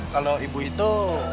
kalau ibu itu